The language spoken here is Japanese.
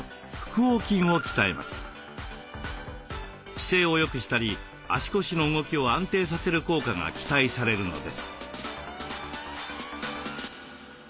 姿勢をよくしたり足腰の動きを安定させる効果が期待されるのです。